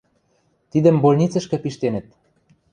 Тидӹм больницӹшкӹ пиштенӹт.